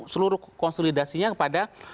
seluruh konsolidasinya kepada